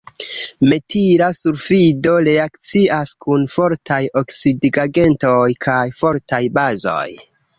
Metila sulfido reakcias kun fortaj oksidigagentoj kaj fortaj bazoj.